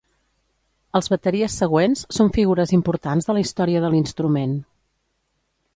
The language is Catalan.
Els bateries següents són figures importants de la història de l'instrument.